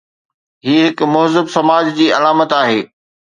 هي هڪ مهذب سماج جي علامت آهي.